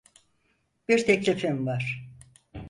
Bir teklifim var.